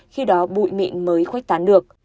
khi đó bụi mịn mới khuếch tán được